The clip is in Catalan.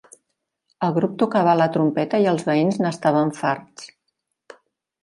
El grup tocava la trompeta i els veïns n'estaven farts.